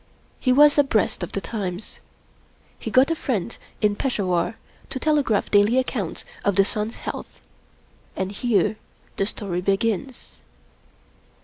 He was abreast of the times. He got a friend in Peshawar to tele graph daily accounts of the son's health. And here the story begins.